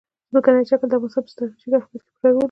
ځمکنی شکل د افغانستان په ستراتیژیک اهمیت کې پوره رول لري.